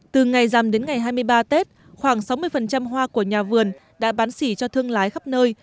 từ ngày dằm đến ngày hai mươi ba tết khoảng sáu mươi hoa của nhà vườn đã bán xỉ cho thương lái khắp nơi